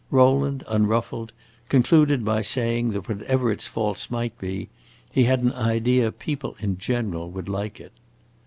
Rowland, unruffled, concluded by saying that whatever its faults might be, he had an idea people in general would like it.